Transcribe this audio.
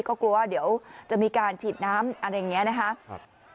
ก็กลัวว่าเดี๋ยวจะมีการฉีดน้ำอะไรอย่างนี้นะครับ